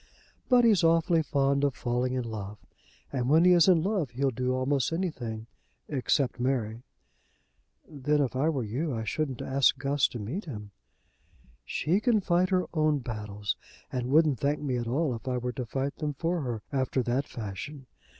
But he's awfully fond of falling in love, and when he is in love he'll do almost anything, except marry." "Then if I were you, I shouldn't ask Guss to meet him." "She can fight her own battles, and wouldn't thank me at all if I were to fight them for her after that fashion.